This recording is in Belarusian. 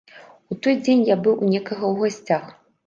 У той дзень я быў у некага ў гасцях.